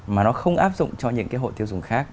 mà nó không áp dụng cho những hộ tiêu dùng khác